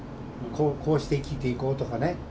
こうして生きていこうとかね。